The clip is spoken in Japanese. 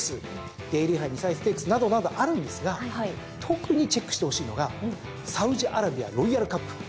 デイリー杯２歳ステークスなどなどあるんですが特にチェックしてほしいのがサウジアラビアロイヤルカップ。